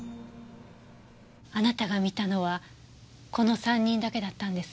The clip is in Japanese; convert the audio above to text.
あなたが見たのはこの３人だけだったんですね？